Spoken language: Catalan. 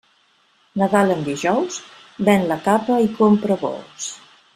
Nadal en dijous, ven la capa i compra bous.